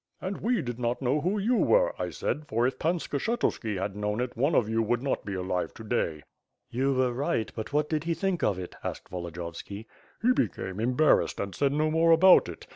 'And we did not know who you were/ I said, 'for if Pan Skshetuski had known it, one of you would not be alive to day.' '' "You were right, but what did he think of it,'^ asked Volo diyovski. "He became embarrassed and said no more about it.